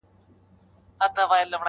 د دې نوي کفن کښ ګډه غوغا وه-